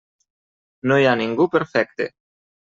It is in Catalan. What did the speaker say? No hi ha ningú perfecte.